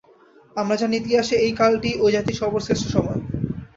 আমরা জানি, ইতিহাসে ঐ কালটি ঐ জাতির সর্বশ্রেষ্ঠ সময়।